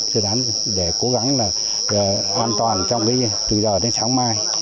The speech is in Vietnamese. sơ tán để cố gắng hoàn toàn trong từ giờ đến sáng mai